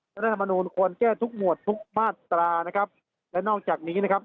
รัฐธรรมนูลควรแก้ทุกหมวดทุกมาตรานะครับและนอกจากนี้นะครับ